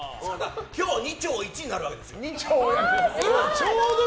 今日、２兆１になるわけです。